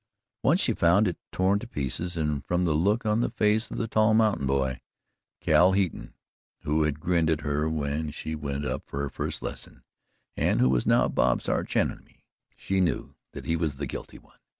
Once she found it torn to pieces and from the look on the face of the tall mountain boy, Cal Heaton, who had grinned at her when she went up for her first lesson, and who was now Bob's arch enemy, she knew that he was the guilty one.